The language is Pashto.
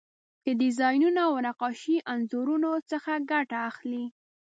د ډیزاینونو او نقاشۍ انځورونو څخه ګټه اخلي.